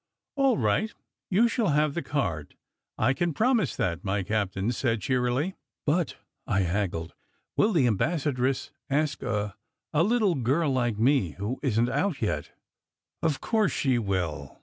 "All right, you shall have the card, I can promise that!" my captain said cheerily. "But," I haggled, "will the ambassadress ask a a little girl like me, who isn t out yet?" "Of course she will.